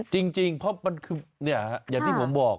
จริงอย่างที่ผมบอก